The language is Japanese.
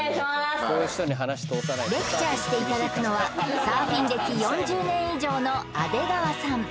レクチャーしていただくのはサーフィン歴４０年以上の阿出川さん